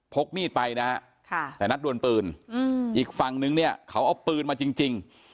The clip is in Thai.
กมีดไปนะฮะแต่นัดดวนปืนอีกฝั่งนึงเนี่ยเขาเอาปืนมาจริง